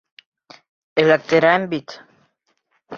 Эләктерәм бит!